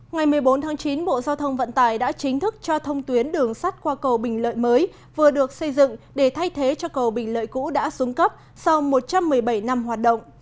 ngày một mươi bốn tháng chín bộ giao thông vận tải đã chính thức cho thông tuyến đường sắt qua cầu bình lợi mới vừa được xây dựng để thay thế cho cầu bình lợi cũ đã xuống cấp sau một trăm một mươi bảy năm hoạt động